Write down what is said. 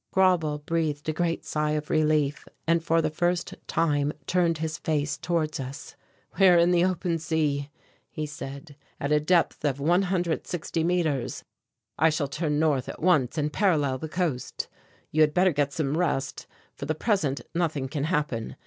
Grauble breathed a great sigh of relief and for the first time turned his face towards us. "We are in the open sea," he said, "at a depth of 160 metres. I shall turn north at once and parallel the coast. You had better get some rest; for the present nothing can happen.